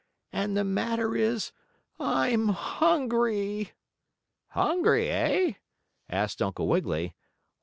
"And the matter is I'm hungry." "Hungry, eh?" asked Uncle Wiggily.